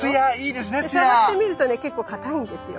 で触ってみるとね結構硬いんですよ。